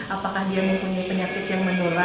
apakah dia mempunyai penyakit yang menular atau tidak